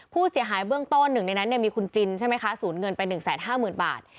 ผู้เสียหายเบื้องต้นหนึ่งในนั้นมีคุณจินใช่ไหมคะสูญเงินไป๑๕๐๐๐บาท